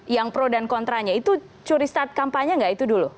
yang pro dan kontranya itu curistart kampanye gak itu dulu